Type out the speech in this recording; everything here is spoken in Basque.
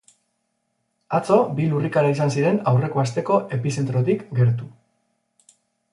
Atzo bi lurrikara izan ziren aurreko asteko epizentrotik gertu.